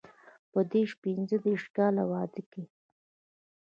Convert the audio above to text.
په دیرش پنځه دېرش کاله واده کې.